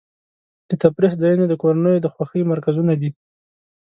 د تفریح ځایونه د کورنیو د خوښۍ مرکزونه دي.